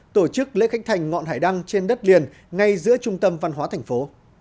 tổ chức lễ khánh thành ngọn hải đăng trên đất liền ngay giữa trung tâm văn hóa thành phố